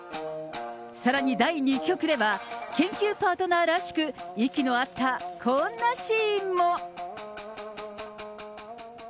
さらに第２局では、研究パートナーらしく、息の合ったこんなシーンも。